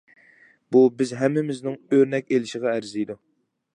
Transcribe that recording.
بۇ بىز ھەممىمىزنىڭ ئۆرنەك ئېلىشىغا ئەرزىيدۇ.